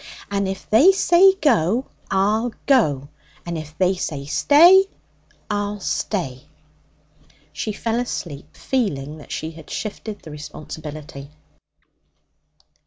'And if they say go, I'll go, and if they say stay, I'll stay.' She fell asleep, feeling that she had shifted the responsibility.